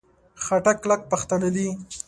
خټک کلک پښتانه دي.